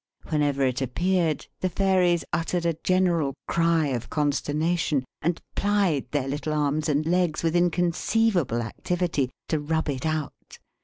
Whenever it appeared, the Fairies uttered a general cry of consternation, and plied their little arms and legs, with inconceivable activity, to rub it out.